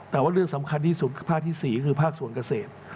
แต่ว่าเรื่องสำคัญที่สุดภาคที่๔คือภาคส่วนเกษตร